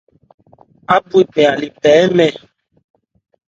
Ábhwe bɛn a le pɛ hɛ́nmɛn.